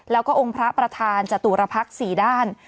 แล้วก็องค์พระประธานจตุรพักษ์๔ด้าน